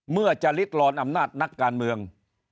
เมื่อจะลิดลอนอำนาจนักการเมือง